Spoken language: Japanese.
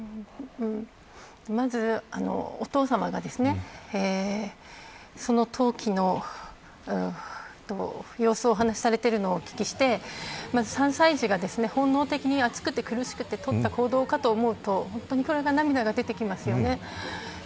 まず、お父さまがそのときの様子をお話されているのを、お聞きしてまず３歳児が、本能的に暑くて苦しくてとった行動かと思うと本当に涙が出てきますよね。